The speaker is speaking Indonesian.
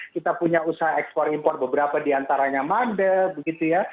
kita punya usaha ekspor impor beberapa diantaranya mande begitu ya